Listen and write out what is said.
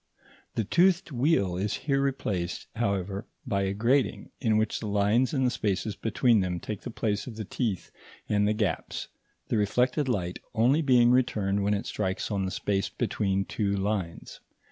The toothed wheel is here replaced, however, by a grating, in which the lines and the spaces between them take the place of the teeth and the gaps, the reflected light only being returned when it strikes on the space between two lines.